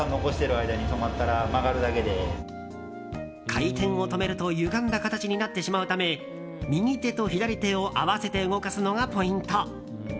回転を止めるとゆがんだ形になってしまうため右手と左手を合わせて動かすのがポイント。